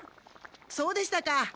そうでしたか。